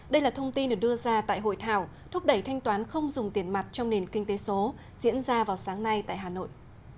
đây là thông tin được đưa ra tại hội thảo thúc đẩy thanh toán không dùng tiền mặt trong nền kinh tế số diễn ra vào sáng nay tại hà nội